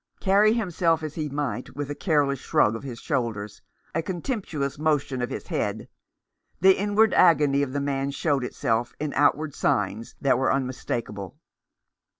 Carry himself as he might, with a careless shrug of his shoulders, a contemptuous motion of his head, the inward agony of the man showed itself in outward signs that were unmistakable.